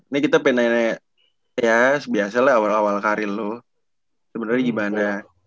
ini kita pengen nanya kayak biasa lah awal awal karir lu sebenernya gimana